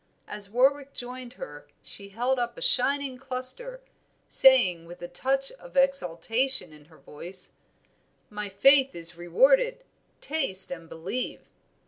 As Warwick joined her she held up a shining cluster, saying with a touch of exultation in her voice "My faith is rewarded; taste and believe."